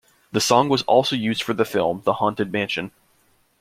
The song was also used for the film, The Haunted Mansion.